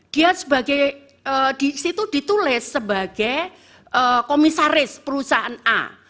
dia sebagai di situ ditulis sebagai komisaris perusahaan a